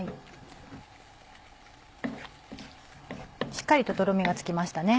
しっかりととろみがつきましたね。